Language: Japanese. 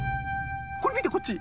これ見てこっち。